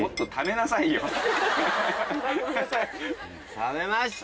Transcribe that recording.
食べました！